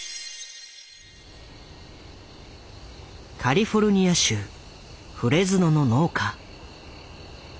カリフォルニア州フレズノの農家。